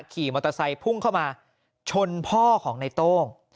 ขี่มอเตอร์ไซค์พุ่งเข้ามาชนพ่อของในโต้ง